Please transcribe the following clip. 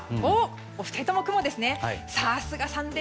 お二人とも雲ですね。